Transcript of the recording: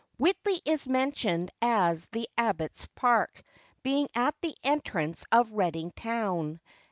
Whitley is mentioned as 'the Abbot's Park, being at the entrance of Redding town.